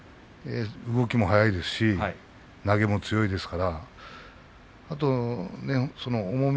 動きも速いですし投げも強いですからあとは重み。